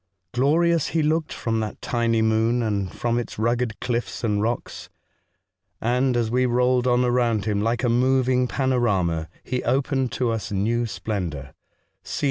Glorious he looked from that tiny moon, and from its rugged cliffs and rocks, and as we rolled on around him, like a moving panorama, he opened to us new splendour.